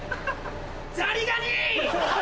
ザリガニ！